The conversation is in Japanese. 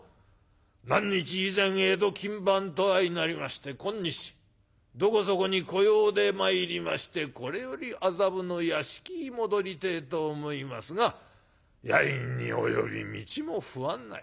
何日以前江戸勤番と相成りまして今日どこそこに小用で参りましてこれより麻布の屋敷へ戻りてえと思いますが夜陰に及び道も不安なり。